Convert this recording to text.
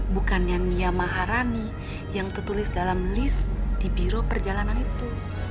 bukannya nia maharani yang tertulis dalam list di biro perjalanan itu